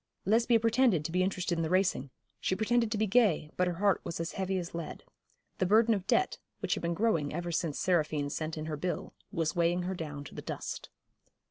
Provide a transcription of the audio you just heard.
Lesbia pretended to be interested in the racing she pretended to be gay, but her heart was as heavy as lead. The burden of debt, which had been growing ever since Seraphine sent in her bill, was weighing her down to the dust.